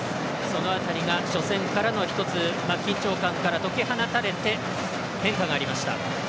その辺りが初戦からの一つ、緊張感から解き放たれて変化がありました。